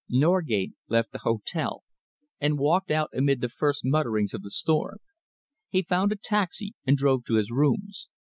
Norgate left the hotel and walked out amid the first mutterings of the storm. He found a taxi and drove to his rooms.